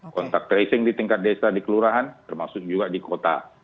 kontak tracing di tingkat desa di kelurahan termasuk juga di kota